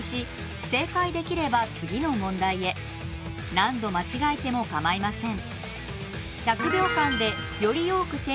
何度間違えても構いません。